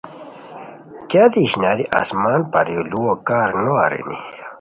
کیہ دی اشناری آسمان پریو لوؤ کارنو ارینی